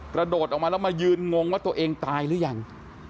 กระโดดออกมาแล้วมายืนงงว่าตัวเองตายหรือยัง